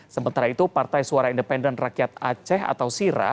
sementara itu partai suara independen rakyat aceh atau sira